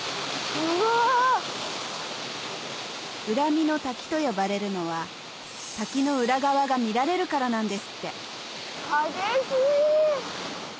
「うらみの滝」と呼ばれるのは滝の裏側が見られるからなんですって激しい！